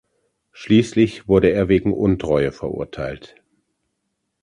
Schließlich wurde er wegen Untreue verurteilt.